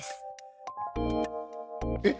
えっ。